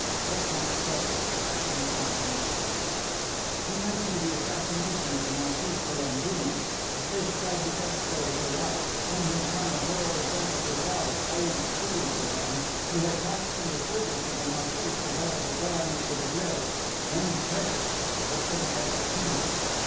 [Footnote 7: See Fantômas.] She mentioned the assassination of the Marquise de Langrune the first tragic episode of her life; then had come the horrible death of her father, old Steward Dollon, who had passed from the service of the Marquise to that of the Baroness de Vibray, and then perished, the victim of a criminal.